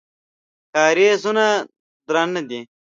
کارېزونه درانه دي.